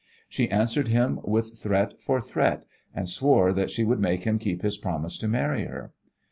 She answered him with threat for threat, and swore that she would make him keep his promise to marry her.